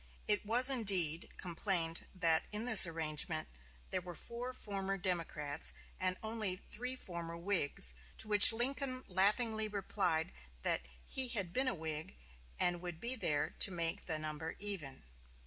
It was, indeed, complained that in this arrangement there were four former Democrats, and only three former Whigs; to which Lincoln laughingly replied that he had been a Whig, and would be there to make the number even.